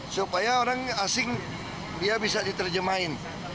supaya orang asing dia bisa diterjemahin